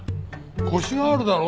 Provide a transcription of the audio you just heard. コシがあるだろ？